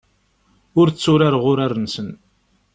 Ur tturareɣ urar-nsen.